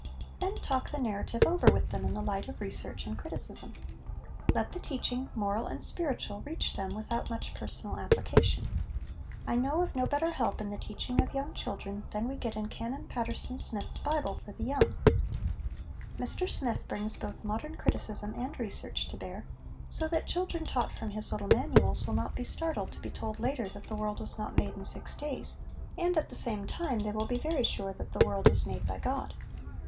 Then, talk the narrative over with them in the light of research and criticism. Let the teaching, moral and spiritual, reach them without much personal application. I know of no better help in the teaching of young children than we get in Canon Paterson Smyth's Bible for the 252 HOME EDUCATION Young. Mr Smyth brings both modern criticism and research to bear, so that children taught from his little manuals will not be startled to be told later that the world was not made in six days ; and, at the same time, they will be very sure that the world was made by God.